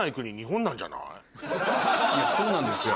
いやそうなんですよ。